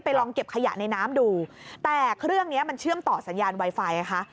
ลองเก็บขยะในน้ำดูแต่เครื่องนี้มันเชื่อมต่อสัญญาณไวไฟนะคะ